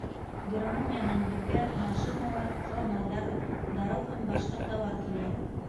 Германиянан беҙгә машиналар, ҡорамалдар, дарыу һәм башҡа тауар килә.